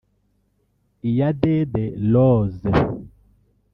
Iyadede Rose